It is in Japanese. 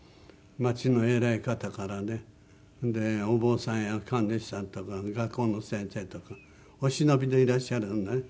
町の偉い方からねお坊さんや神主さんとか学校の先生とかお忍びでいらっしゃるのね。